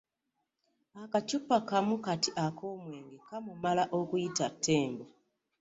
Akacupa kamu kati ak'omwenge kamumala okuyita ttembo.